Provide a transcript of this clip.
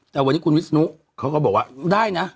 แต่วันนี้คุณวิศนุเขาก็บอกว่าได้นะ